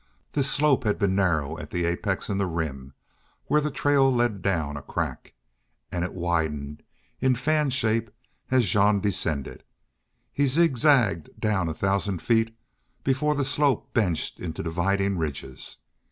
This slope had been narrow at the apex in the Rim where the trail led down a crack, and it widened in fan shape as Jean descended. He zigzagged down a thousand feet before the slope benched into dividing ridges.